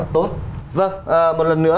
tốt vâng một lần nữa